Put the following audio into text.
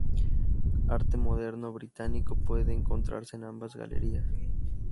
Arte moderno británico puede encontrarse en ambas galerías.